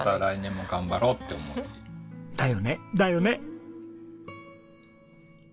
だよねだよね！